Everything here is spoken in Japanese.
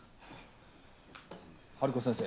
ハルコ先生